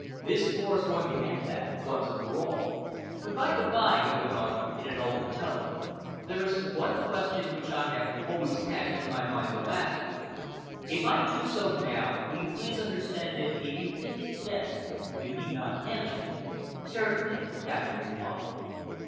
This war is going to end that, once and for ever. By the bye," he went on, in an altered tone, "there is one question which I have always had in my mind to ask you. If I do so now, will you please understand that if you think it best you need not answer me?" "Certainly," Catherine replied.